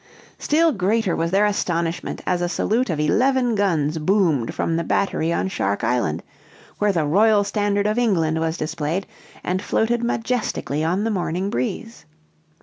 Still greater was their astonishment, as a salute of eleven guns boomed from the battery on Shark Island, where the royal standard of England was displayed and floated majestically on the morning breeze.